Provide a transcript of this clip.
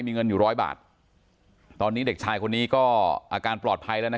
มีเงินอยู่ร้อยบาทตอนนี้เด็กชายคนนี้ก็อาการปลอดภัยแล้วนะ